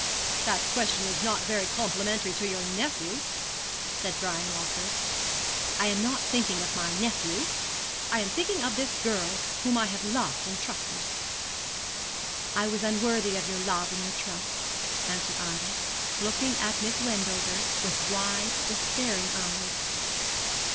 'That question is not very complimentary to your nephew!' said Brian Walford. 'I am not thinking of my nephew I am thinking of this girl, whom I have loved and trusted.' 'I was unworthy of your love and your trust,' answered Ida, looking at Miss Wendover with wide, despairing eyes.